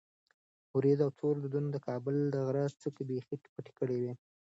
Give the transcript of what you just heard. ورېځو او تورو دودونو د کابل د غره څوکې بیخي پټې کړې وې.